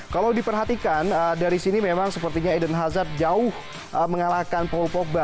kalau diperhatikan dari sini memang sepertinya eden hazard jauh mengalahkan paul pogba